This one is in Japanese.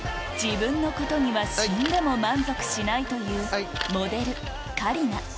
自分のことには死んでも満足しないというモデル香里奈